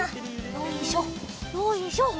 よいしょよいしょ。